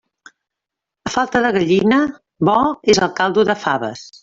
A falta de gallina, bo és el caldo de faves.